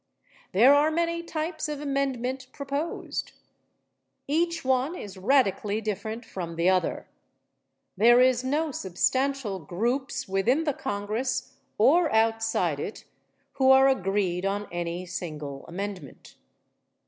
There are many types of amendment proposed. Each one is radically different from the other. There is no substantial groups within the Congress or outside it who are agreed on any single amendment.